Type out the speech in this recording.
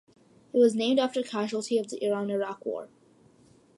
It was named after a casualty of the Iran-Iraq War.